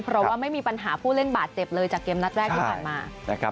เพราะว่าไม่มีปัญหาผู้เล่นบาดเจ็บเลยจากเกมนัดแรกที่ผ่านมา